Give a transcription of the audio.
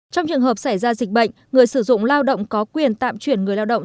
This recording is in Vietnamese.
trong trường hợp xảy ra dịch bệnh người sử dụng lao động có quyền tạm chuyển người lao động